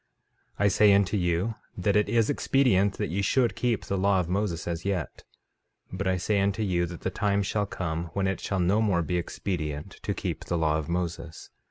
I say unto you that it is expedient that ye should keep the law of Moses as yet; but I say unto you, that the time shall come when it shall no more be expedient to keep the law of Moses.